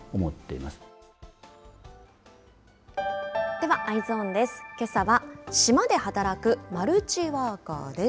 では、Ｅｙｅｓｏｎです。